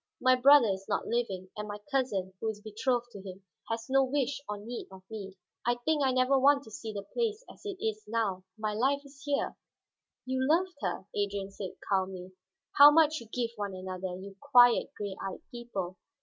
"My brother is not living, and my cousin, who was betrothed to him, has no wish or need of me. I think I never want to see the place as it is now. My life is here." "You loved her," Adrian said calmly. "How much you give one another, you quiet, gray eyed people!